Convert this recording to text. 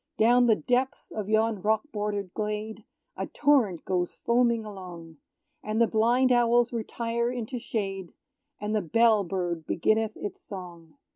Down the depths of yon rock border'd glade, A torrent goes foaming along; And the blind owls retire into shade, And the bell bird beginneth its song.